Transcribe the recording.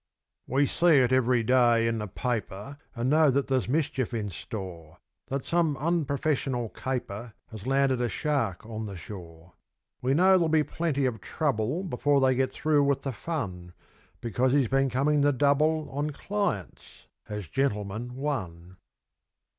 We see it each day in the paper, And know that there's mischief in store; That some unprofessional caper Has landed a shark on the shore. We know there'll be plenty of trouble Before they get through with the fun, Because he's been coming the double On clients, has "Gentleman, One".